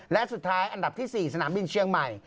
และสุดท้ายอันดับที่๔สนามบินเชียงใหม่